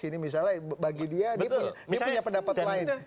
ini misalnya bagi dia dia punya pendapat lain